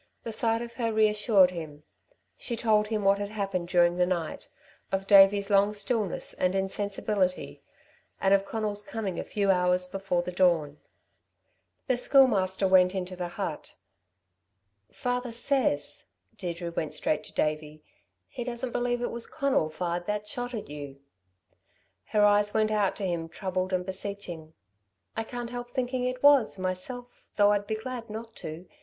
The sight of her reassured him. She told him what had happened during the night of Davey's long stillness and insensibility, and of Conal's coming a few hours before the dawn. The Schoolmaster went into the hut. "Father says " Deirdre went straight to Davey "he doesn't believe it was Conal fired that shot at you." Her eyes went out to him troubled and beseeching. "I can't help thinking it was, myself, though I'd be glad not to.